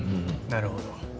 なるほど。